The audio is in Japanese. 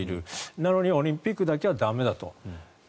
なのにオリンピックだけは駄目だと。